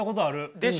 でしょ？